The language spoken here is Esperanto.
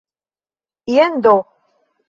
Jen do!